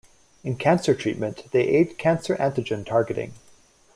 In cancer treatment they aid cancer antigen targeting.